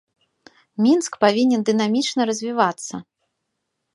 Мінск павінен дынамічна развівацца.